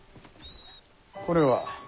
これは？